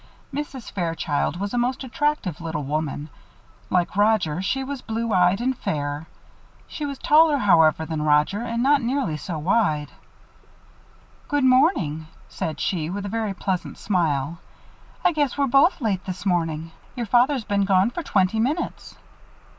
Mrs. Fairchild was a most attractive little woman. Like Roger, she was blue eyed and fair. She was taller, however, than Roger and not nearly so wide. "Good morning," said she, with a very pleasant smile. "I guess we're both late this morning. Your father's been gone for twenty minutes."